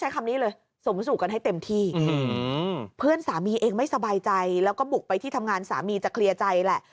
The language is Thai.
ก็ใบใจแล้วก็บุกไปที่ทำงานสามีจะเคลียร์ใจแหละ